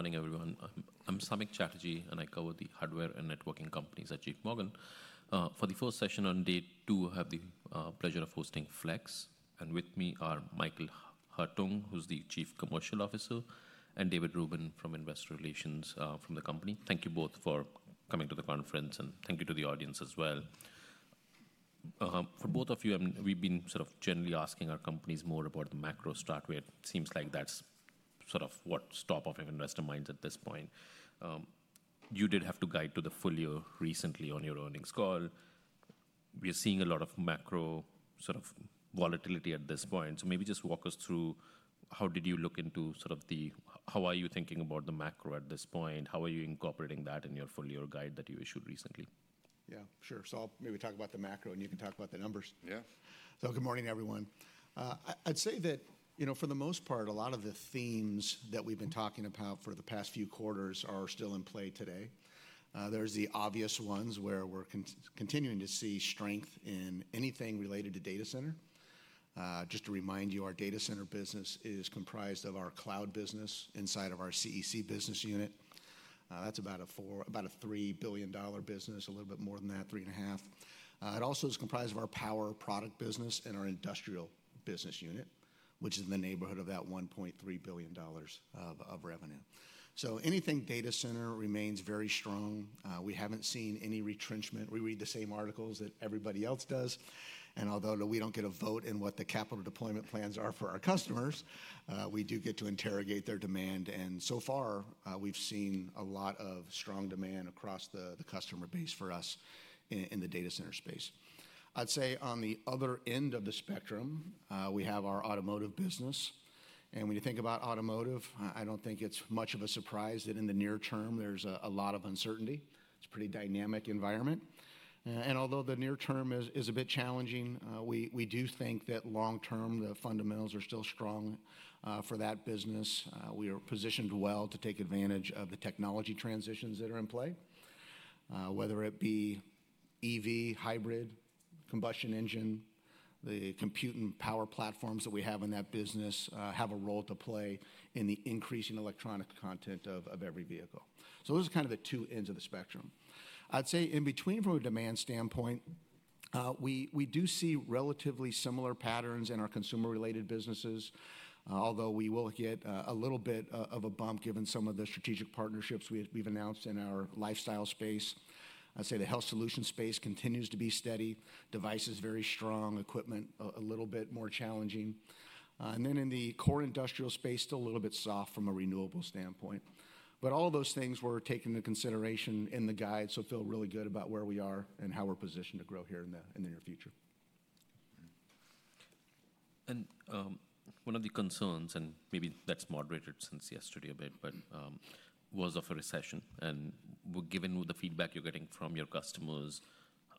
Morning, everyone. I'm Samik Chatterjee, and I cover the hardware and networking companies at JPMorgan. For the first session on day two, I have the pleasure of hosting Flex, and with me are Michael Hartung, who's the Chief Commercial Officer, and David Rubin from Investor Relations from the company. Thank you both for coming to the conference, and thank you to the audience as well. For both of you, we've been sort of generally asking our companies more about the macro stock, where it seems like that's sort of what's top of investor minds at this point. You did have to guide to the full year recently on your earnings call. We're seeing a lot of macro sort of volatility at this point. Maybe just walk us through how did you look into sort of the—how are you thinking about the macro at this point? How are you incorporating that in your full year guide that you issued recently? Yeah, sure. I'll maybe talk about the macro, and you can talk about the numbers. Yeah. Good morning, everyone. I'd say that, for the most part, a lot of the themes that we've been talking about for the past few quarters are still in play today. There are the obvious ones where we're continuing to see strength in anything related to data center. Just to remind you, our data center business is comprised of our cloud business inside of our CEC business unit. That's about a $3 billion business, a little bit more than that, $3.5 billion. It also is comprised of our power product business and our industrial business unit, which is in the neighborhood of that $1.3 billion of revenue. Anything data center remains very strong. We haven't seen any retrenchment. We read the same articles that everybody else does. Although we don't get a vote in what the capital deployment plans are for our customers, we do get to interrogate their demand. So far, we've seen a lot of strong demand across the customer base for us in the data center space. I'd say on the other end of the spectrum, we have our automotive business. When you think about automotive, I don't think it's much of a surprise that in the near term there's a lot of uncertainty. It's a pretty dynamic environment. Although the near term is a bit challenging, we do think that long term the fundamentals are still strong for that business. We are positioned well to take advantage of the technology transitions that are in play, whether it be EV, hybrid, combustion engine. The compute and power platforms that we have in that business have a role to play in the increasing electronic content of every vehicle. Those are kind of the two ends of the spectrum. I'd say in between, from a demand standpoint, we do see relatively similar patterns in our consumer-related businesses, although we will get a little bit of a bump given some of the strategic partnerships we've announced in our lifestyle space. I'd say the health solution space continues to be steady, devices very strong, equipment a little bit more challenging. In the core industrial space, still a little bit soft from a renewable standpoint. All of those things we're taking into consideration in the guide, so feel really good about where we are and how we're positioned to grow here in the near future. One of the concerns, and maybe that's moderated since yesterday a bit, was of a recession. Given the feedback you're getting from your customers,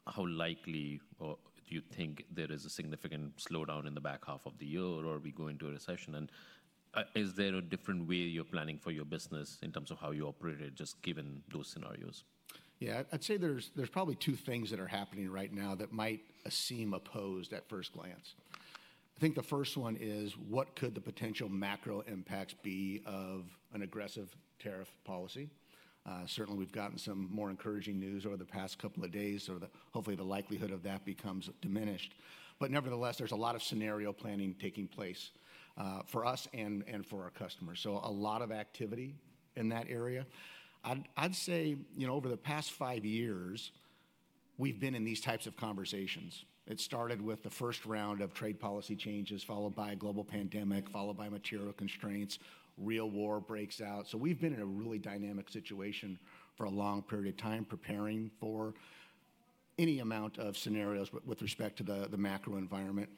how likely do you think there is a significant slowdown in the back half of the year, or are we going into a recession? Is there a different way you're planning for your business in terms of how you operate it, just given those scenarios? Yeah, I'd say there's probably two things that are happening right now that might seem opposed at first glance. I think the first one is, what could the potential macro impacts be of an aggressive tariff policy? Certainly, we've gotten some more encouraging news over the past couple of days, so hopefully the likelihood of that becomes diminished. Nevertheless, there's a lot of scenario planning taking place for us and for our customers. A lot of activity in that area. I'd say over the past five years, we've been in these types of conversations. It started with the first round of trade policy changes, followed by a global pandemic, followed by material constraints, real war breaks out. We've been in a really dynamic situation for a long period of time, preparing for any amount of scenarios with respect to the macro environment.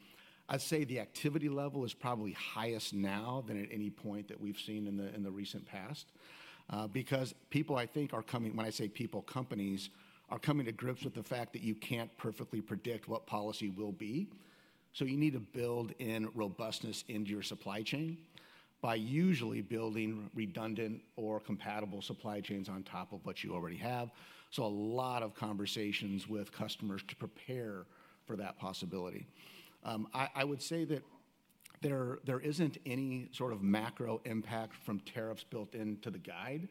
I'd say the activity level is probably highest now than at any point that we've seen in the recent past, because people, I think, are coming—when I say people, companies—are coming to grips with the fact that you can't perfectly predict what policy will be. You need to build in robustness into your supply chain by usually building redundant or compatible supply chains on top of what you already have. A lot of conversations with customers to prepare for that possibility. I would say that there isn't any sort of macro impact from tariffs built into the guide.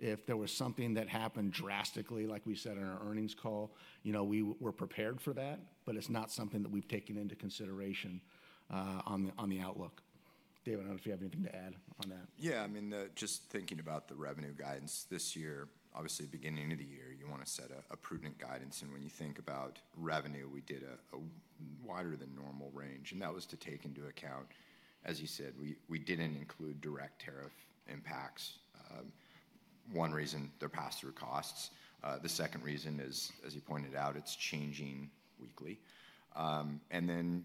If there was something that happened drastically, like we said in our earnings call, we were prepared for that, but it's not something that we've taken into consideration on the outlook. David, I don't know if you have anything to add on that. Yeah, I mean, just thinking about the revenue guidance this year, obviously beginning of the year, you want to set a prudent guidance. When you think about revenue, we did a wider than normal range. That was to take into account, as you said, we didn't include direct tariff impacts. One reason, they're pass-through costs. The second reason is, as you pointed out, it's changing weekly.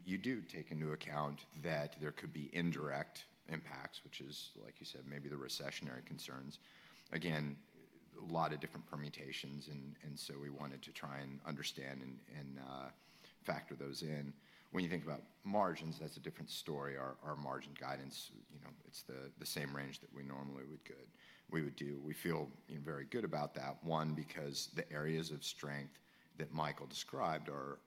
You do take into account that there could be indirect impacts, which is, like you said, maybe the recessionary concerns. Again, a lot of different permutations, and we wanted to try and understand and factor those in. When you think about margins, that's a different story. Our margin guidance, it's the same range that we normally would do. We feel very good about that, one, because the areas of strength that Michael described are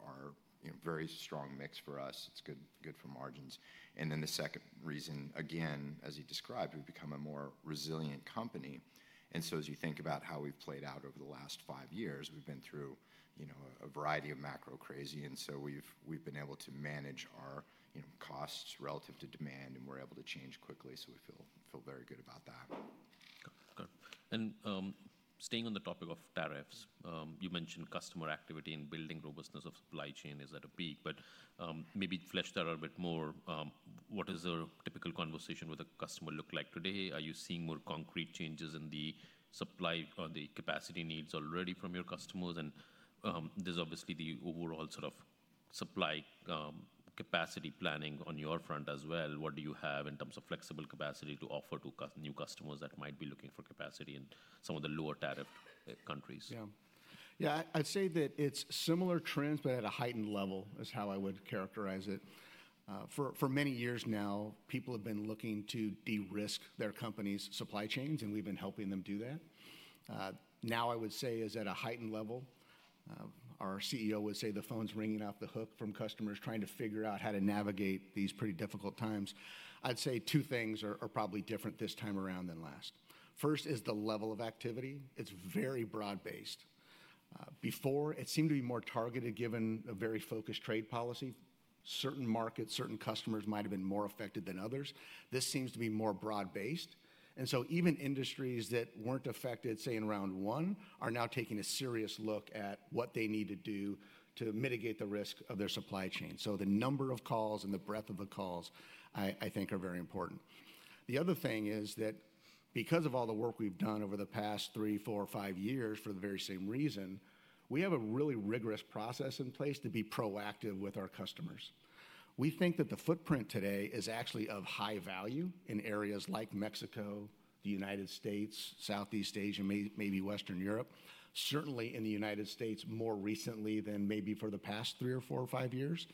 a very strong mix for us. It is good for margins. The second reason, again, as he described, we have become a more resilient company. As you think about how we have played out over the last five years, we have been through a variety of macro crazy, and we have been able to manage our costs relative to demand, and we are able to change quickly, so we feel very good about that. Okay. Staying on the topic of tariffs, you mentioned customer activity and building robustness of supply chain. Is that a peak? Maybe flesh that out a bit more. What does a typical conversation with a customer look like today? Are you seeing more concrete changes in the supply or the capacity needs already from your customers? There is obviously the overall sort of supply capacity planning on your front as well. What do you have in terms of flexible capacity to offer to new customers that might be looking for capacity in some of the lower tariffed countries? Yeah. Yeah, I'd say that it's similar trends, but at a heightened level is how I would characterize it. For many years now, people have been looking to de-risk their companies' supply chains, and we've been helping them do that. Now, I would say, is at a heightened level. Our CEO would say the phone's ringing off the hook from customers trying to figure out how to navigate these pretty difficult times. I'd say two things are probably different this time around than last. First is the level of activity. It's very broad-based. Before, it seemed to be more targeted given a very focused trade policy. Certain markets, certain customers might have been more affected than others. This seems to be more broad-based. Even industries that were not affected, say, in round one, are now taking a serious look at what they need to do to mitigate the risk of their supply chain. The number of calls and the breadth of the calls, I think, are very important. The other thing is that because of all the work we have done over the past three, four, five years for the very same reason, we have a really rigorous process in place to be proactive with our customers. We think that the footprint today is actually of high value in areas like Mexico, the United States, Southeast Asia, maybe Western Europe, certainly in the United States more recently than maybe for the past three or four or five years.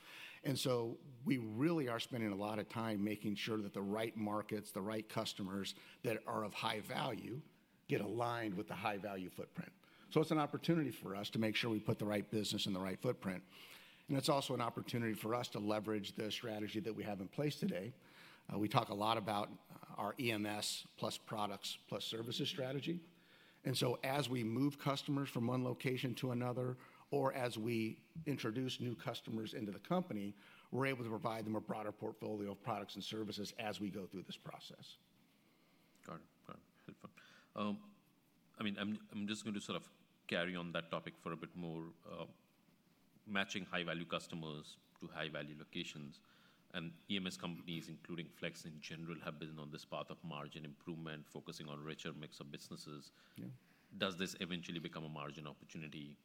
We really are spending a lot of time making sure that the right markets, the right customers that are of high value get aligned with the high-value footprint. It is an opportunity for us to make sure we put the right business in the right footprint. It is also an opportunity for us to leverage the strategy that we have in place today. We talk a lot about our EMS plus products plus services strategy. As we move customers from one location to another, or as we introduce new customers into the company, we are able to provide them a broader portfolio of products and services as we go through this process. Got it. Got it. I mean, I'm just going to sort of carry on that topic for a bit more. Matching high-value customers to high-value locations. EMS companies, including Flex in general, have been on this path of margin improvement, focusing on a richer mix of businesses. Does this eventually become a margin opportunity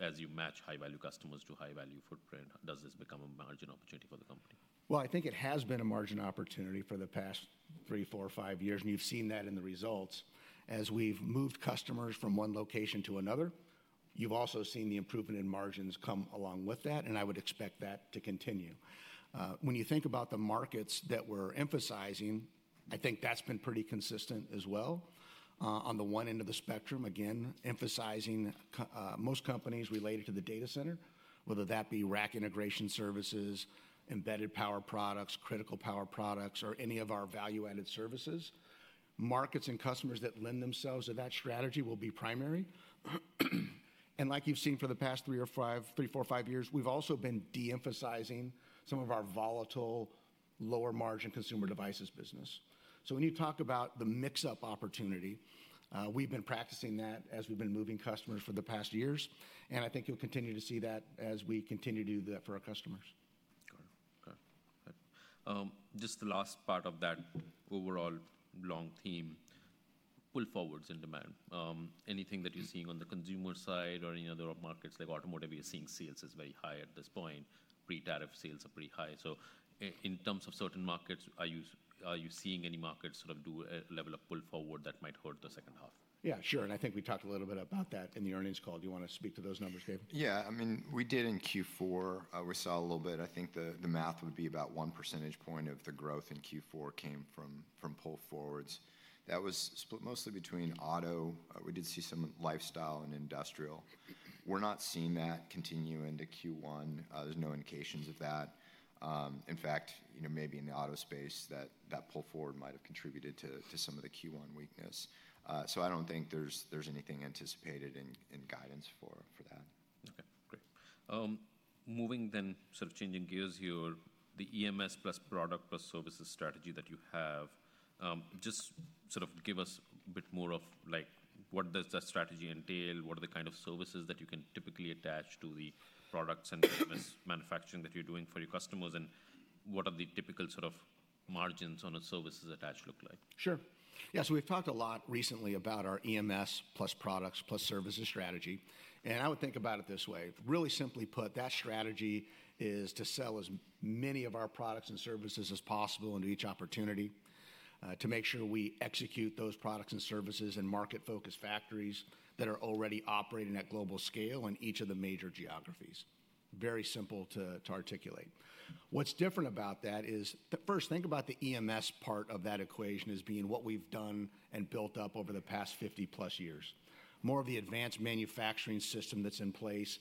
as you match high-value customers to high-value footprint? Does this become a margin opportunity for the company? I think it has been a margin opportunity for the past three, four, five years, and you've seen that in the results. As we've moved customers from one location to another, you've also seen the improvement in margins come along with that. I would expect that to continue. When you think about the markets that we're emphasizing, I think that's been pretty consistent as well. On the one end of the spectrum, again, emphasizing most companies related to the data center, whether that be rack integration services, embedded power products, critical power products, or any of our value-added services. Markets and customers that lend themselves to that strategy will be primary. Like you've seen for the past three or five, three, four, five years, we've also been de-emphasizing some of our volatile, lower-margin consumer devices business. When you talk about the mix-up opportunity, we've been practicing that as we've been moving customers for the past years, and I think you'll continue to see that as we continue to do that for our customers. Got it. Got it. Just the last part of that overall long theme, pull forwards in demand. Anything that you're seeing on the consumer side or any other markets like automotive, you're seeing sales is very high at this point. Pre-tariff sales are pretty high. In terms of certain markets, are you seeing any markets sort of do a level of pull forward that might hurt the second half? Yeah, sure. I think we talked a little bit about that in the earnings call. Do you want to speak to those numbers, David? Yeah. I mean, we did in Q4. We saw a little bit. I think the math would be about 1 percentage point of the growth in Q4 came from pull forwards. That was split mostly between auto. We did see some lifestyle and industrial. We're not seeing that continue into Q1. There's no indications of that. In fact, maybe in the auto space, that pull forward might have contributed to some of the Q1 weakness. I don't think there's anything anticipated in guidance for that. Okay. Great. Moving then, sort of changing gears here, the EMS plus product plus services strategy that you have, just sort of give us a bit more of what does that strategy entail? What are the kind of services that you can typically attach to the products and manufacturing that you're doing for your customers? What are the typical sort of margins on a services attached look like? Sure. Yeah. So we've talked a lot recently about our EMS plus products plus services strategy. I would think about it this way. Really simply put, that strategy is to sell as many of our products and services as possible into each opportunity to make sure we execute those products and services in market-focused factories that are already operating at global scale in each of the major geographies. Very simple to articulate. What's different about that is, first, think about the EMS part of that equation as being what we've done and built up over the past 50 plus years. More of the advanced manufacturing system that's in place.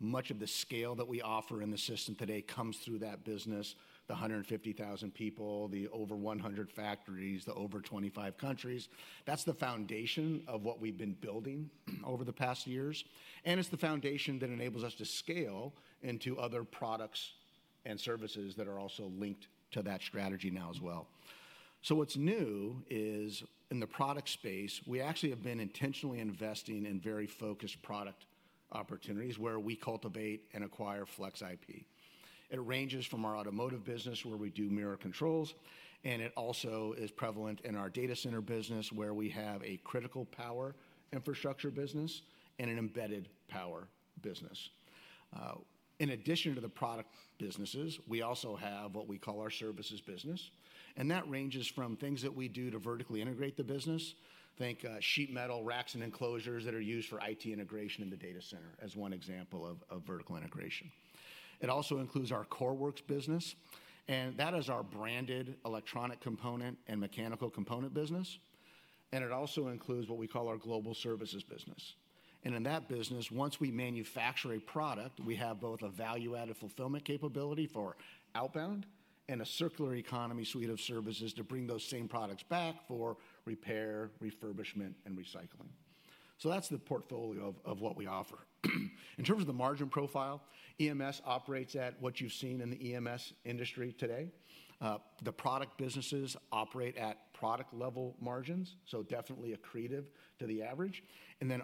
Much of the scale that we offer in the system today comes through that business, the 150,000 people, the over 100 factories, the over 25 countries. That's the foundation of what we've been building over the past years. It is the foundation that enables us to scale into other products and services that are also linked to that strategy now as well. What's new is, in the product space, we actually have been intentionally investing in very focused product opportunities where we cultivate and acquire Flex IP. It ranges from our automotive business, where we do mirror controls, and it also is prevalent in our data center business, where we have a critical power infrastructure business and an embedded power business. In addition to the product businesses, we also have what we call our services business. That ranges from things that we do to vertically integrate the business. Think sheet metal racks and enclosures that are used for IT integration in the data center as one example of vertical integration. It also includes our core works business, and that is our branded electronic component and mechanical component business. It also includes what we call our global services business. In that business, once we manufacture a product, we have both a value-added fulfillment capability for outbound and a circular economy suite of services to bring those same products back for repair, refurbishment, and recycling. That is the portfolio of what we offer. In terms of the margin profile, EMS operates at what you've seen in the EMS industry today. The product businesses operate at product-level margins, so definitely accretive to the average.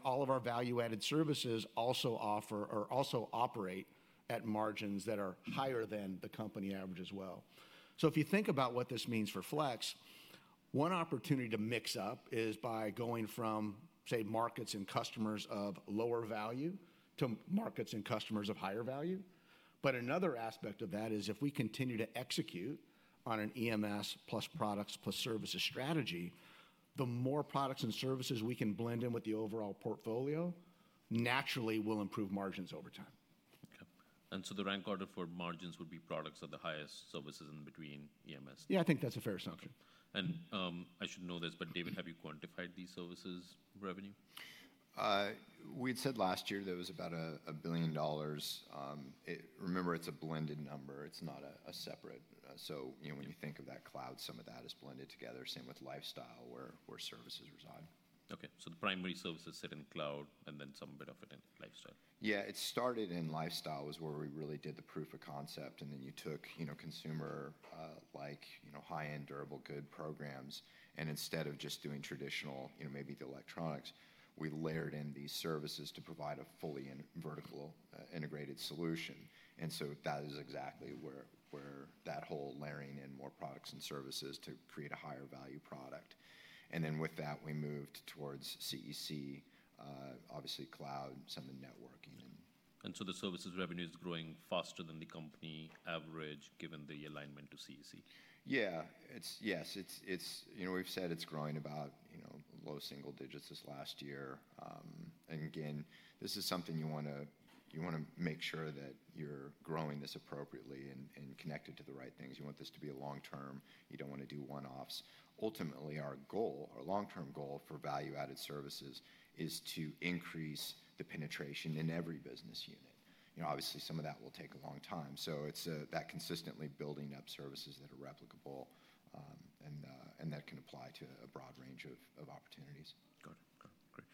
All of our value-added services also offer or also operate at margins that are higher than the company average as well. If you think about what this means for Flex, one opportunity to mix up is by going from, say, markets and customers of lower value to markets and customers of higher value. Another aspect of that is if we continue to execute on an EMS plus products plus services strategy, the more products and services we can blend in with the overall portfolio, naturally we'll improve margins over time. Okay. And so the rank order for margins would be products at the highest, services in between, EMS. Yeah, I think that's a fair assumption. I should know this, but David, have you quantified these services revenue? We'd said last year there was about $1 billion. Remember, it's a blended number. It's not a separate. When you think of that cloud, some of that is blended together. Same with lifestyle where services reside. Okay. The primary services sit in cloud and then some bit of it in lifestyle. Yeah. It started in lifestyle was where we really did the proof of concept. You took consumer-like high-end durable good programs, and instead of just doing traditional, maybe the electronics, we layered in these services to provide a fully vertical integrated solution. That is exactly where that whole layering in more products and services to create a higher value product. With that, we moved towards CEC, obviously cloud, some of the networking and. The services revenue is growing faster than the company average given the alignment to CEC? Yeah. Yes. We've said it's growing about low single digits this last year. Again, this is something you want to make sure that you're growing this appropriately and connected to the right things. You want this to be a long-term. You don't want to do one-offs. Ultimately, our goal, our long-term goal for value-added services is to increase the penetration in every business unit. Obviously, some of that will take a long time. It's that consistently building up services that are replicable and that can apply to a broad range of opportunities. Got it. Got it.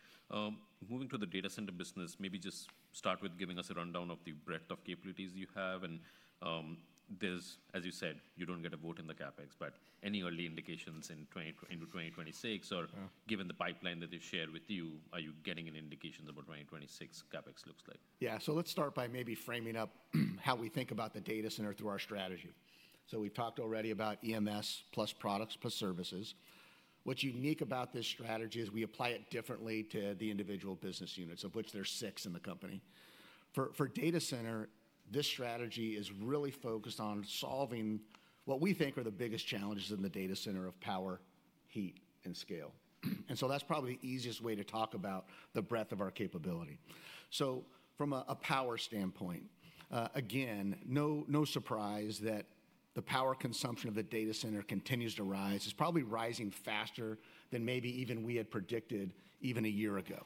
Great. Moving to the data center business, maybe just start with giving us a rundown of the breadth of capabilities you have. As you said, you do not get a vote in the CapEx, but any early indications into 2026 or given the pipeline that they share with you, are you getting any indications of what 2026 CapEx looks like? Yeah. Let's start by maybe framing up how we think about the data center through our strategy. We've talked already about EMS plus products plus services. What's unique about this strategy is we apply it differently to the individual business units, of which there are six in the company. For data center, this strategy is really focused on solving what we think are the biggest challenges in the data center of power, heat, and scale. That's probably the easiest way to talk about the breadth of our capability. From a power standpoint, again, no surprise that the power consumption of the data center continues to rise. It's probably rising faster than maybe even we had predicted even a year ago.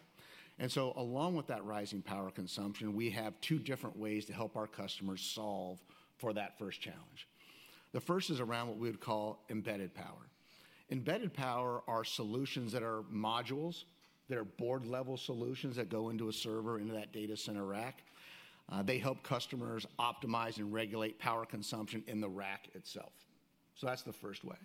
Along with that rising power consumption, we have two different ways to help our customers solve for that first challenge. The first is around what we would call embedded power. Embedded power are solutions that are modules, that are board-level solutions that go into a server, into that data center rack. They help customers optimize and regulate power consumption in the rack itself. That is the first way.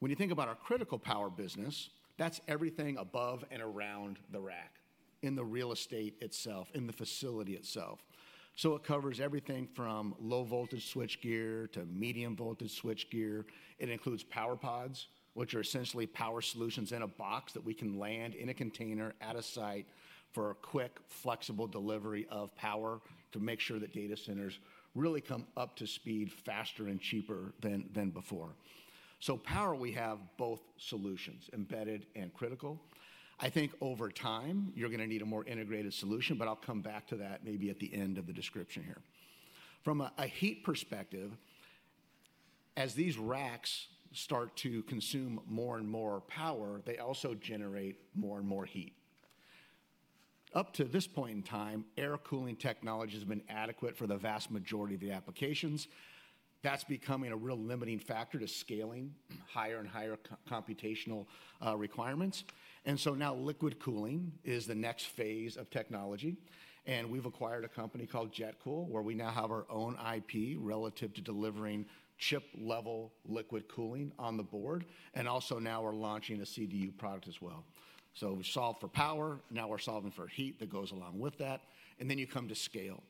When you think about our critical power business, that is everything above and around the rack, in the real estate itself, in the facility itself. It covers everything from low-voltage switchgear to medium-voltage switchgear. It includes PowerPods, which are essentially power solutions in a box that we can land in a container at a site for a quick, flexible delivery of power to make sure that data centers really come up to speed faster and cheaper than before. Power, we have both solutions, embedded and critical. I think over time, you're going to need a more integrated solution, but I'll come back to that maybe at the end of the description here. From a heat perspective, as these racks start to consume more and more power, they also generate more and more heat. Up to this point in time, air cooling technology has been adequate for the vast majority of the applications. That's becoming a real limiting factor to scaling higher and higher computational requirements. Liquid cooling is the next phase of technology. We've acquired a company called JetCool, where we now have our own IP relative to delivering chip-level liquid cooling on the board. Also, now we're launching a CDU product as well. We solve for power. Now we're solving for heat that goes along with that. You come to scale.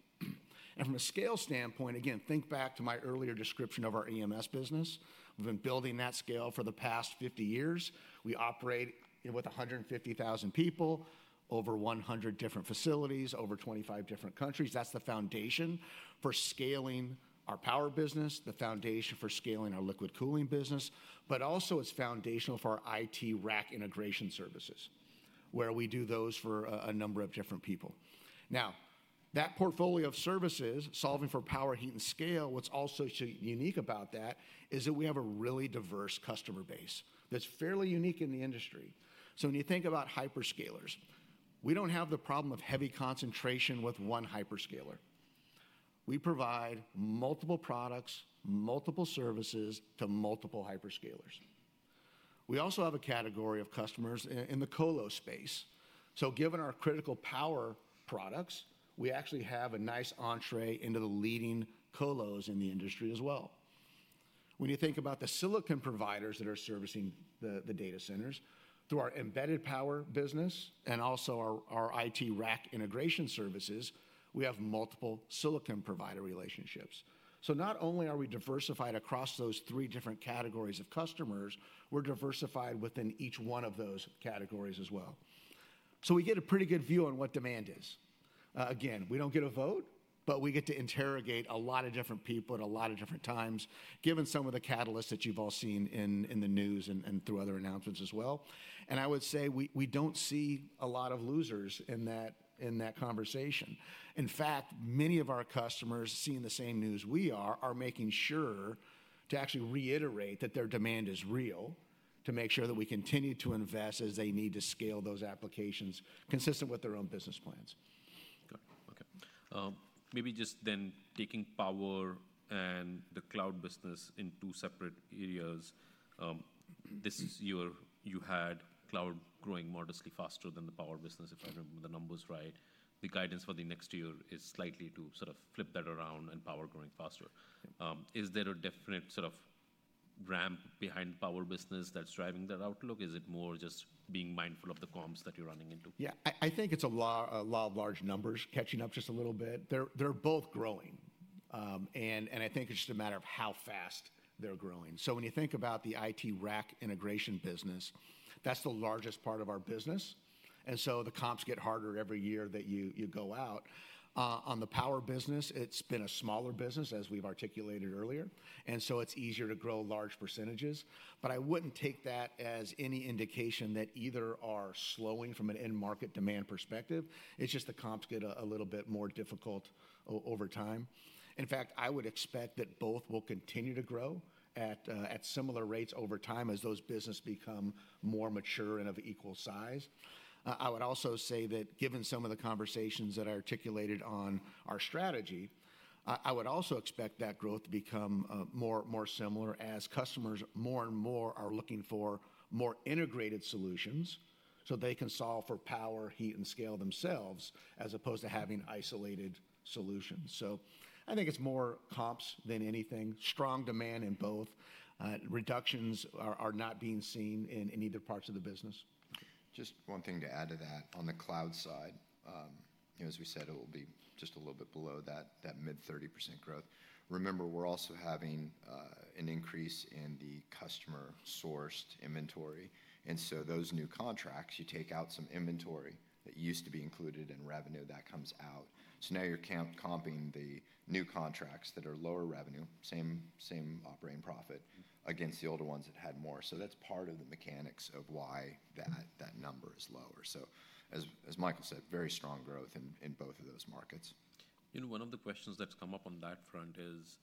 From a scale standpoint, again, think back to my earlier description of our EMS business. We've been building that scale for the past 50 years. We operate with 150,000 people, over 100 different facilities, over 25 different countries. That's the foundation for scaling our power business, the foundation for scaling our liquid cooling business, but also it's foundational for our IT rack integration services, where we do those for a number of different people. Now, that portfolio of services solving for power, heat, and scale, what's also unique about that is thdat we have a really diverse customer base that's fairly unique in the industry. When you think about hyperscalers, we don't have the problem of heavy concentration with one hyperscaler. We provide multiple products, multiple services to multiple hyperscalers. We also have a category of customers in the colo space. Given our critical power products, we actually have a nice entrée into the leading colos in the industry as well. When you think about the silicon providers that are servicing the data centers, through our embedded power business and also our IT rack integration services, we have multiple silicon provider relationships. Not only are we diversified across those three different categories of customers, we're diversified within each one of those categories as well. We get a pretty good view on what demand is. Again, we do not get a vote, but we get to interrogate a lot of different people at a lot of different times, given some of the catalysts that you have all seen in the news and through other announcements as well. I would say we do not see a lot of losers in that conversation. In fact, many of our customers seeing the same news we are are making sure to actually reiterate that their demand is real to make sure that we continue to invest as they need to scale those applications consistent with their own business plans. Got it. Okay. Maybe just then taking power and the cloud business in two separate areas. This year you had cloud growing modestly faster than the power business, if I remember the numbers right. The guidance for the next year is slightly to sort of flip that around and power growing faster. Is there a definite sort of ramp behind power business that's driving that outlook? Is it more just being mindful of the comms that you're running into? Yeah. I think it's a lot of large numbers catching up just a little bit. They're both growing. I think it's just a matter of how fast they're growing. When you think about the IT rack integration business, that's the largest part of our business. The comps get harder every year that you go out. On the power business, it's been a smaller business, as we've articulated earlier. It's easier to grow large percentages. I wouldn't take that as any indication that either are slowing from an end market demand perspective. The comps get a little bit more difficult over time. In fact, I would expect that both will continue to grow at similar rates over time as those businesses become more mature and of equal size. I would also say that given some of the conversations that I articulated on our strategy, I would also expect that growth to become more similar as customers more and more are looking for more integrated solutions so they can solve for power, heat, and scale themselves as opposed to having isolated solutions. I think it's more comps than anything. Strong demand in both. Reductions are not being seen in either parts of the business. Just one thing to add to that. On the cloud side, as we said, it will be just a little bit below that mid-30% growth. Remember, we're also having an increase in the customer-sourced inventory. And so those new contracts, you take out some inventory that used to be included in revenue that comes out. Now you're comping the new contracts that are lower revenue, same operating profit against the older ones that had more. That's part of the mechanics of why that number is lower. As Michael said, very strong growth in both of those markets. You know, one of the questions that's come up on that front is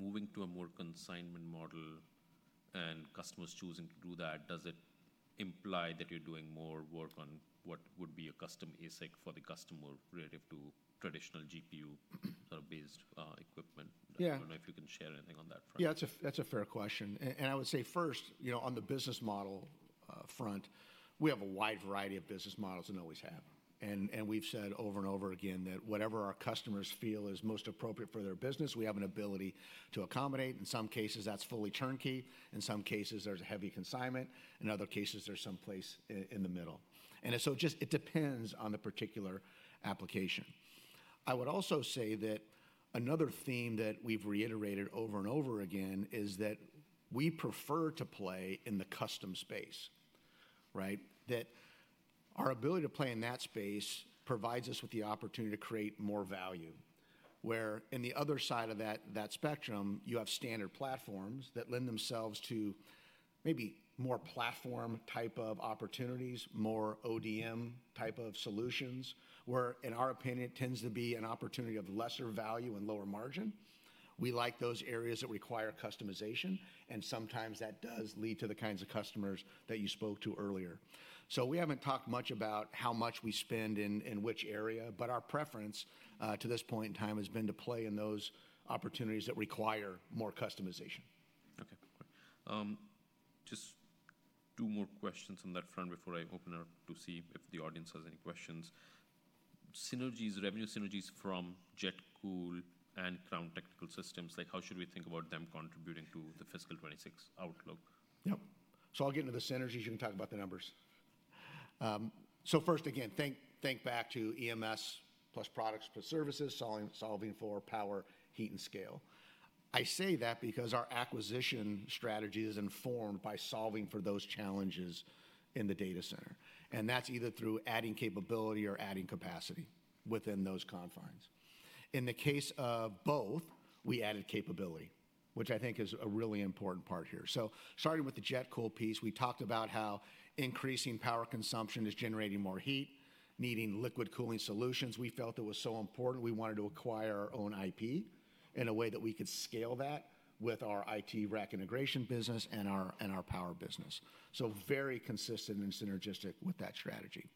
moving to a more consignment model and customers choosing to do that, does it imply that you're doing more work on what would be a custom ASIC for the customer relative to traditional GPU-based equipment? I don't know if you can share anything on that front. Yeah, that's a fair question. I would say first, on the business model front, we have a wide variety of business models and always have. We've said over and over again that whatever our customers feel is most appropriate for their business, we have an ability to accommodate. In some cases, that's fully turnkey. In some cases, there's a heavy consignment. In other cases, there's some place in the middle. It depends on the particular application. I would also say that another theme that we've reiterated over and over again is that we prefer to play in the custom space, right? Our ability to play in that space provides us with the opportunity to create more value. Where in the other side of that spectrum, you have standard platforms that lend themselves to maybe more platform-type of opportunities, more ODM-type of solutions, where in our opinion, it tends to be an opportunity of lesser value and lower margin. We like those areas that require customization. And sometimes that does lead to the kinds of customers that you spoke to earlier. We haven't talked much about how much we spend in which area, but our preference to this point in time has been to play in those opportunities that require more customization. Okay. Just two more questions on that front before I open up to see if the audience has any questions. Synergies, revenue synergies from JetCool and Crown Technical Systems, like how should we think about them contributing to the fiscal 2026 outlook? Yep. I'll get into the synergies. You can talk about the numbers. First, again, think back to EMS plus products plus services solving for power, heat, and scale. I say that because our acquisition strategy is informed by solving for those challenges in the data center. That's either through adding capability or adding capacity within those confines. In the case of both, we added capability, which I think is a really important part here. Starting with the JetCool piece, we talked about how increasing power consumption is generating more heat, needing liquid cooling solutions. We felt it was so important we wanted to acquire our own IP in a way that we could scale that with our IT rack integration business and our power business. Very consistent and synergistic with that strategy.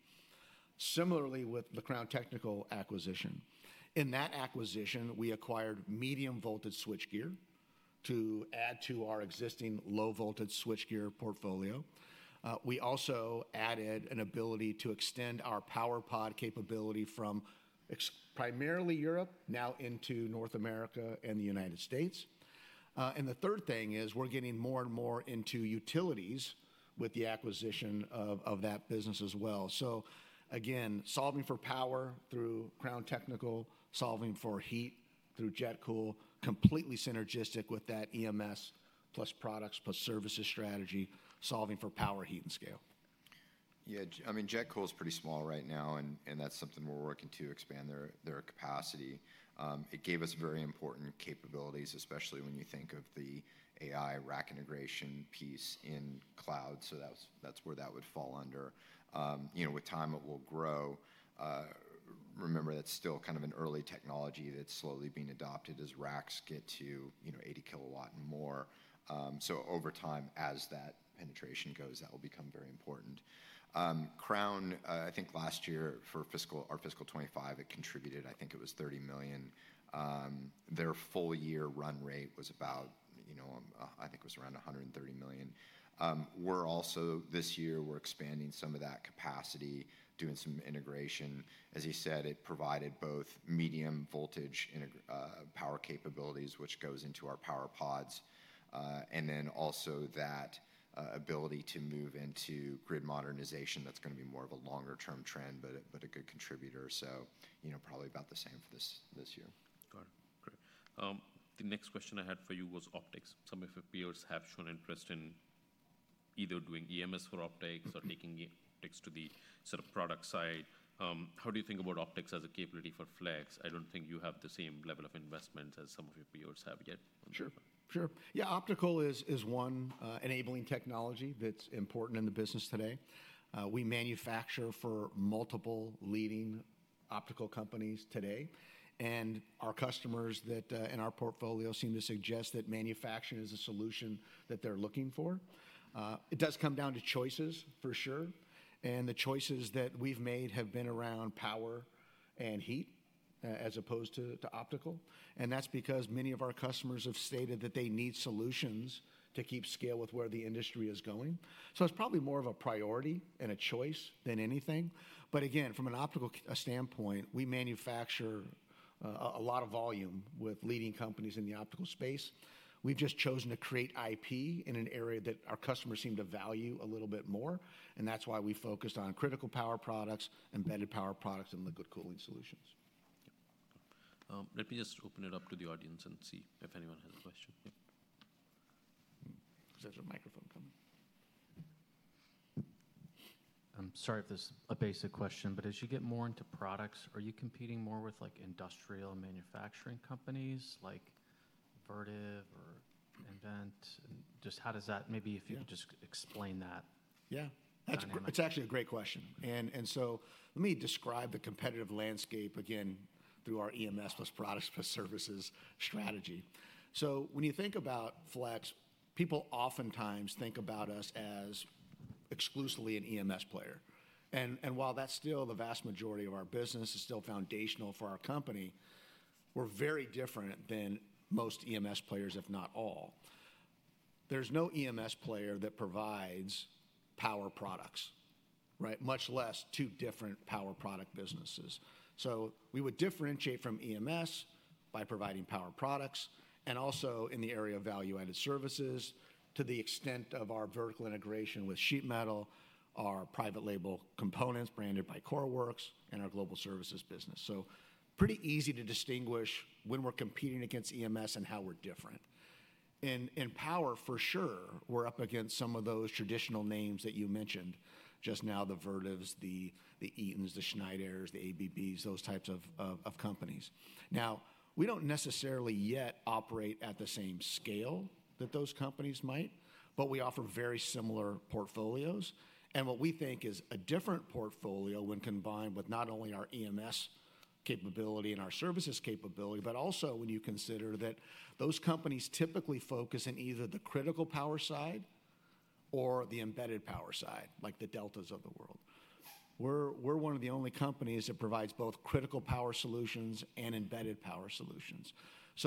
Similarly, with the Crown Technical acquisition, in that acquisition, we acquired medium-voltage switchgear to add to our existing low-voltage switchgear portfolio. We also added an ability to extend our PowerPod capability from primarily Europe, now into North America and the United States. The third thing is we're getting more and more into utilities with the acquisition of that business as well. Again, solving for power through Crown Technical, solving for heat through JetCool, completely synergistic with that EMS plus products plus services strategy, solving for power, heat, and scale. Yeah. I mean, JetCool is pretty small right now, and that's something we're working to expand their capacity. It gave us very important capabilities, especially when you think of the AI rack integration piece in cloud. That is where that would fall under. With time, it will grow. Remember, that's still kind of an early technology that's slowly being adopted as racks get to 80 kilowatt and more. Over time, as that penetration goes, that will become very important. Crown, I think last year for our fiscal 2025, it contributed, I think it was $30 million. Their full-year run rate was about, I think it was around $130 million. This year, we're also expanding some of that capacity, doing some integration. As you said, it provided both medium-voltage power capabilities, which goes into our PowerPods, and then also that ability to move into grid modernization. That's going to be more of a longer-term trend, but a good contributor. Probably about the same for this year. Got it. Great. The next question I had for you was optics. Some of your peers have shown interest in either doing EMS for optics or taking optics to the sort of product side. How do you think about optics as a capability for Flex? I don't think you have the same level of investments as some of your peers have yet. Sure. Yeah. Optical is one enabling technology that's important in the business today. We manufacture for multiple leading optical companies today. Our customers in our portfolio seem to suggest that manufacturing is a solution that they're looking for. It does come down to choices, for sure. The choices that we've made have been around power and heat as opposed to optical. That's because many of our customers have stated that they need solutions to keep scale with where the industry is going. It's probably more of a priority and a choice than anything. Again, from an optical standpoint, we manufacture a lot of volume with leading companies in the optical space. We've just chosen to create IP in an area that our customers seem to value a little bit more. That is why we focused on critical power products, embedded power products, and liquid cooling solutions. Let me just open it up to the audience and see if anyone has a question. Is there a microphone coming? I'm sorry if this is a basic question, but as you get more into products, are you competing more with industrial manufacturing companies like Vertiv or Inventec? Just how does that, maybe if you could just explain that dynamic? Yeah. It's actually a great question. Let me describe the competitive landscape again through our EMS plus products plus services strategy. When you think about Flex, people oftentimes think about us as exclusively an EMS player. While that's still the vast majority of our business, it's still foundational for our company, we're very different than most EMS players, if not all. There's no EMS player that provides power products, right? Much less two different power product businesses. We would differentiate from EMS by providing power products and also in the area of value-added services to the extent of our vertical integration with sheet metal, our private label components branded by CoreWorks, and our global services business. Pretty easy to distinguish when we're competing against EMS and how we're different. In power, for sure, we're up against some of those traditional names that you mentioned just now, the Vertivs, the Eatons, the Schneiders, the ABBs, those types of companies. Now, we don't necessarily yet operate at the same scale that those companies might, but we offer very similar portfolios. What we think is a different portfolio when combined with not only our EMS capability and our services capability, but also when you consider that those companies typically focus in either the critical power side or the embedded power side, like the Deltas of the world. We're one of the only companies that provides both critical power solutions and embedded power solutions.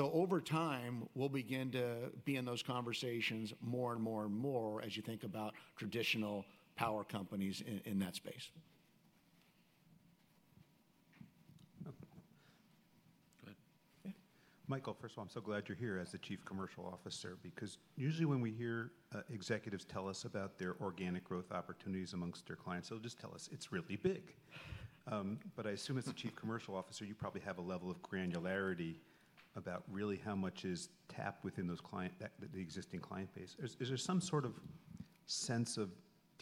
Over time, we'll begin to be in those conversations more and more and more as you think about traditional power companies in that space. Go ahead. Michael, first of all, I'm so glad you're here as the Chief Commercial Officer because usually when we hear executives tell us about their organic growth opportunities amongst their clients, they'll just tell us it's really big. I assume as the Chief Commercial Officer, you probably have a level of granularity about really how much is tapped within the existing client base. Is there some sort of sense of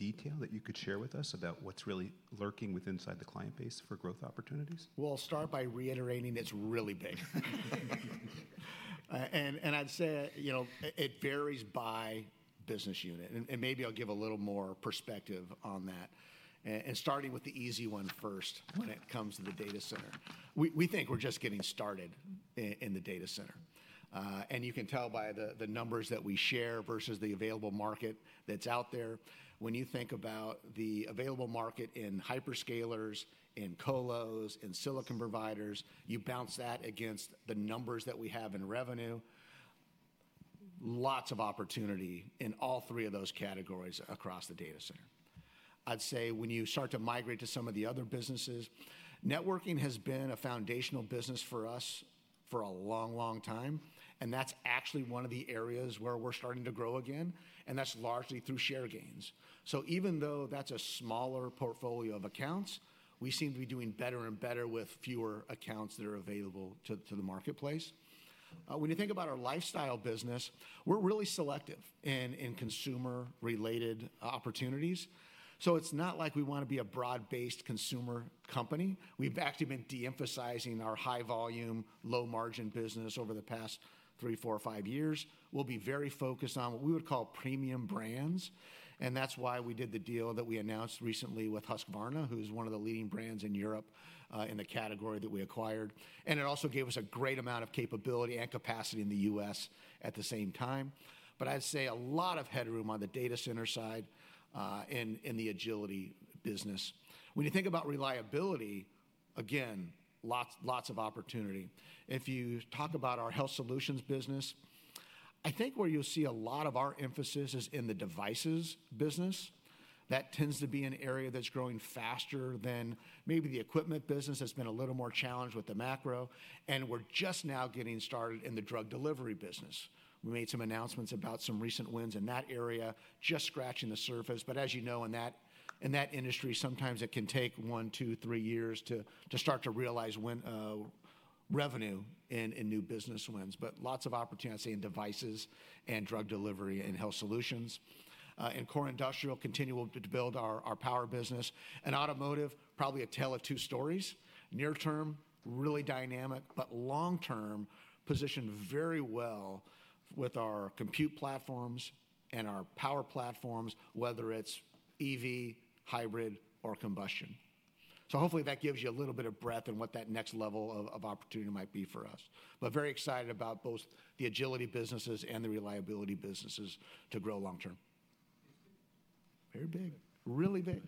detail that you could share with us about what's really lurking inside the client base for growth opportunities? I'll start by reiterating it's really big. I'd say it varies by business unit. Maybe I'll give a little more perspective on that. Starting with the easy one first when it comes to the data center. We think we're just getting started in the data center. You can tell by the numbers that we share versus the available market that's out there. When you think about the available market in hyperscalers, in colos, in silicon providers, you bounce that against the numbers that we have in revenue. Lots of opportunity in all three of those categories across the data center. I'd say when you start to migrate to some of the other businesses, networking has been a foundational business for us for a long, long time. That's actually one of the areas where we're starting to grow again. That's largely through share gains. Even though that's a smaller portfolio of accounts, we seem to be doing better and better with fewer accounts that are available to the marketplace. When you think about our lifestyle business, we're really selective in consumer-related opportunities. It is not like we want to be a broad-based consumer company. We have actually been de-emphasizing our high-volume, low-margin business over the past three, four, five years. We will be very focused on what we would call premium brands. That is why we did the deal that we announced recently with Husqvarna, who is one of the leading brands in Europe in the category that we acquired. It also gave us a great amount of capability and capacity in the U.S. at the same time. I would say a lot of headroom on the data center side in the agility business. When you think about reliability, again, lots of opportunity. If you talk about our health solutions business, I think where you will see a lot of our emphasis is in the devices business. That tends to be an area that's growing faster than maybe the equipment business has been a little more challenged with the macro. We're just now getting started in the drug delivery business. We made some announcements about some recent wins in that area, just scratching the surface. As you know, in that industry, sometimes it can take one, two, three years to start to realize revenue in new business wins. Lots of opportunity, I'd say, in devices and drug delivery and health solutions. In core industrial, continue to build our power business. In automotive, probably a tale of two stories. Near-term, really dynamic, but long-term, positioned very well with our compute platforms and our power platforms, whether it's EV, hybrid, or combustion. Hopefully that gives you a little bit of breadth in what that next level of opportunity might be for us. Very excited about both the agility businesses and the reliability businesses to grow long-term. Very big. Really big.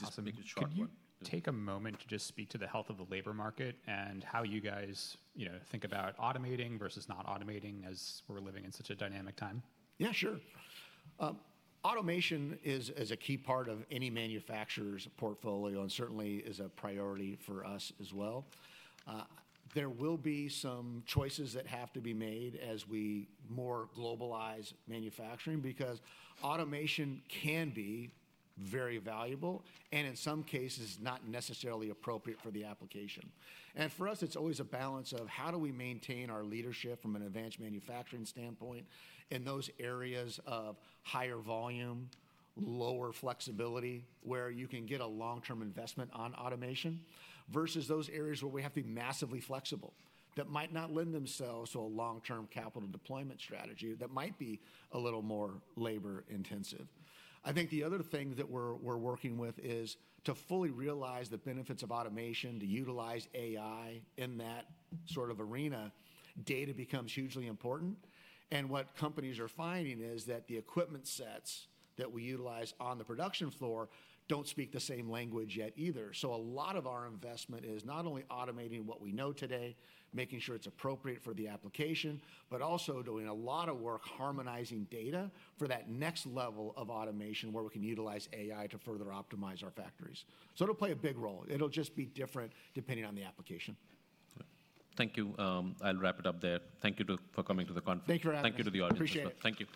Just a short one. Take a moment to just speak to the health of the labor market and how you guys think about automating versus not automating as we're living in such a dynamic time. Yeah, sure. Automation is a key part of any manufacturer's portfolio and certainly is a priority for us as well. There will be some choices that have to be made as we more globalize manufacturing because automation can be very valuable and in some cases not necessarily appropriate for the application. For us, it's always a balance of how do we maintain our leadership from an advanced manufacturing standpoint in those areas of higher volume, lower flexibility where you can get a long-term investment on automation versus those areas where we have to be massively flexible that might not lend themselves to a long-term capital deployment strategy that might be a little more labor-intensive. I think the other thing that we're working with is to fully realize the benefits of automation, to utilize AI in that sort of arena. Data becomes hugely important. What companies are finding is that the equipment sets that we utilize on the production floor do not speak the same language yet either. A lot of our investment is not only automating what we know today, making sure it is appropriate for the application, but also doing a lot of work harmonizing data for that next level of automation where we can utilize AI to further optimize our factories. It will play a big role. It will just be different depending on the application. Thank you. I'll wrap it up there. Thank you for coming to the conference. Thank you for having me. Thank you to the audience. Appreciate it. Thank you.